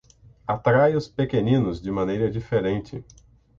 Atrai os pequeninos de maneira diferente.